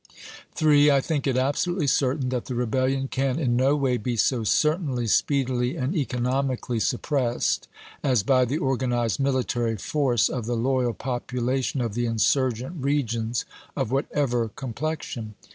III. I think it absolutely certain that the rebellion can in no way be so certainly, speedily, and economically sup pressed as by the organized military force of the loyal population of the insurgent regions, of whatever com plexion.